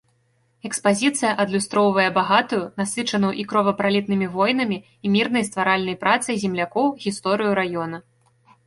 Экспазіцыя адлюстроўвае багатую, насычаную і кровапралітнымі войнамі, і мірнай стваральнай працай землякоў гісторыю раёна.